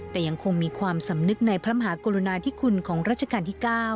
แต่ยังคงมีความสำนึกในพระมหากรุณาธิคุณของรัชกาลที่๙